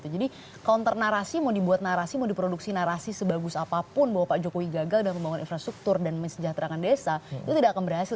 jadi kontra narasi mau dibuat narasi mau diproduksi narasi sebagus apapun bahwa pak jokowi gagal dalam pembangunan infrastruktur dan mesejahterakan desa itu tidak akan berhasil